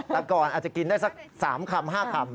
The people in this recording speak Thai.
แต่ก่อนอาจจะกินได้สัก๓คำ๕คำ